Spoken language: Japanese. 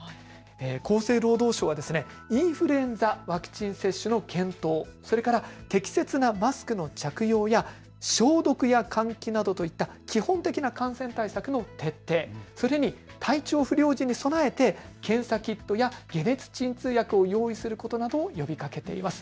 厚生労働省はインフルエンザワクチン接種の検討、適切なマスクの着用や消毒、換気といった基本的な感染対策の徹底、それに体調不良時に備えて検査キットや解熱鎮痛薬を用意することなどを呼びかけています。